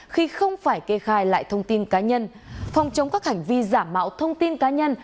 khi không phải kê khai lại thông tin cá nhân phòng chống các hành vi giả mạo thông tin cá nhân